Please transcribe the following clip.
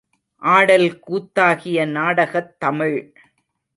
ஆடல் கூத்தாகிய நாடகத் தமிழ்.